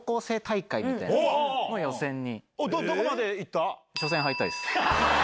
どこまでいった？